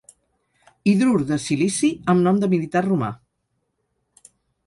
Hidrur de silici amb nom de militar romà.